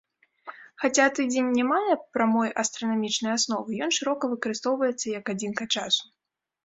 Хаця тыдзень не мае прамой астранамічнай асновы, ён шырока выкарыстоўваецца як адзінка часу.